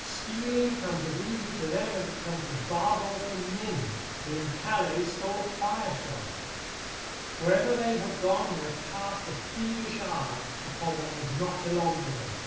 Stealing comes as easy to them as it came to Bardolph and Nym, who in Calais stole a fire shovel. Wherever they have gone they have cast a thievish eye upon what does not belong to them.